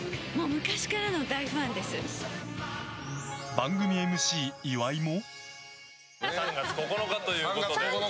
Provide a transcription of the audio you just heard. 番組ＭＣ岩井も。